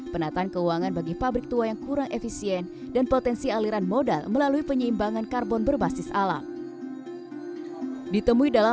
pertamina power indonesia